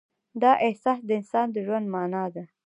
دا احساس د انسان د ژوند معنی ده.